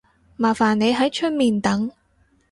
麻煩你喺出面等